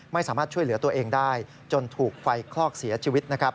ไม่สามารถช่วยเหลือตัวเองได้จนถูกไฟคลอกเสียชีวิตนะครับ